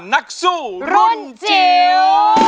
นักสู้รุ่นจิ๋ว